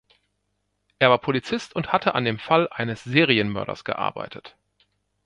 Er war Polizist und hatte an dem Fall eines Serienmörders gearbeitet.